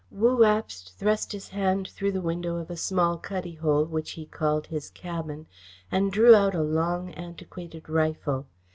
Wu Abst thrust his hand through the window of a small cuddy hole, which he called his cabin, and drew out a long, antiquated rifle.